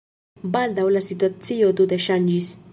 Baldaŭ la situacio tute ŝanĝis.